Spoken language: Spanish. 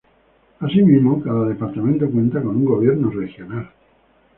Asimismo, cada departamento cuenta con un gobierno regional.